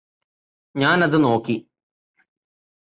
ഞാനത് നോക്കി